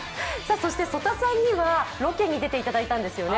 そして曽田さんにはロケに出ていただいたんですよね？